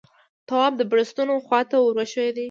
تواب د بړستنو خواته ور وښويېد.